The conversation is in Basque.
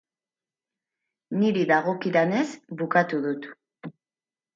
Niri dagokidanez, bukatu dut.